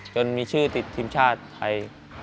มีชื่อติดทีมชาติไทย